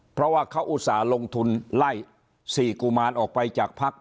เพราะว่าเขาอุตส่งลงทุนไล่ศรีกุมารออกไปจากภัคดิ์